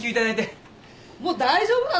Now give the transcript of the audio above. もう大丈夫なの？